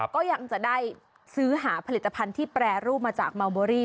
ก็ยังจะได้ซื้อหาผลิตภัณฑ์ที่แปรรูปมาจากเมาเบอรี่